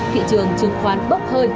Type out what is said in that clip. thị trường chứng khoán bốc hơi